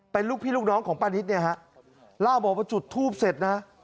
เป็นลูกพี่ลูกน้องของป้านิตเนี่ยฮะเล่าบอกว่าจุดทูปเสร็จนะ